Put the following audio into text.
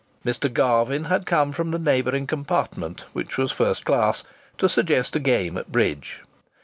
Mr. Garvin had come from the neighbouring compartment, which was first class, to suggest a game at bridge.